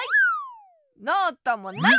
ノートもない！